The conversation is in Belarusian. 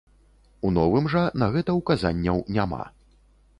У новым жа на гэта указанняў няма.